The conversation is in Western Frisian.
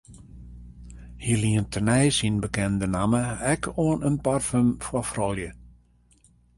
Hy lient tenei syn bekende namme ek oan in parfum foar froulju.